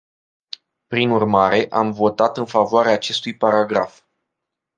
Prin urmare, am votat în favoarea acestui paragraf.